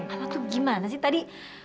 aku tuh gimana sih tadi